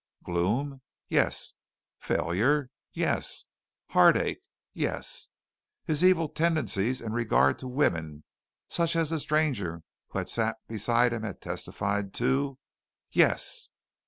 Gloom? Yes. Failure? Yes. Heartache? Yes. His evil tendencies in regard to women, such as the stranger who had sat beside him had testified to? Yes.